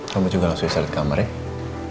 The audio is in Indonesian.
kamu juga langsung istirahat ke kamar ya